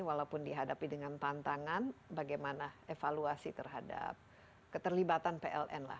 walaupun dihadapi dengan tantangan bagaimana evaluasi terhadap keterlibatan pln lah